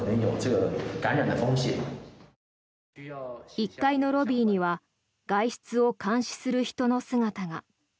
１階のロビーには外出を監視する人の姿が。